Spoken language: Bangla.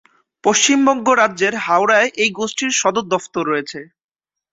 পশ্চিমবঙ্গ রাজ্যের হাওড়ায় এই গোষ্ঠীর সদর দফতর রয়েছে।